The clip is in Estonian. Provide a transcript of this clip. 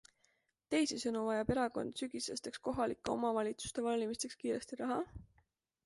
Teisisõnu vajab erakond sügisesteks kohalike omavalitsuste valimisteks kiiresti raha?